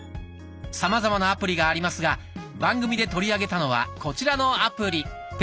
さまざまなアプリがありますが番組で取り上げたのはこちらのアプリ。